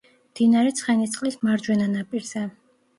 მდინარე ცხენისწყლის მარჯვენა ნაპირზე.